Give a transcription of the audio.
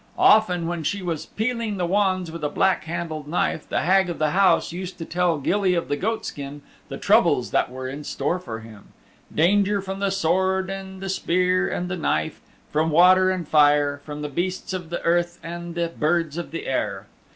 Often, when she was peeling the wands with a black handled knife, the Hag of the House used to tell Gilly of the Goatskin the troubles that were in store for him danger from the sword and the spear and the knife, from water and fire, from the beasts of the earth and the birds of the air.